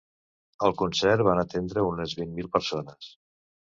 Al concert van atendre unes vint mil persones.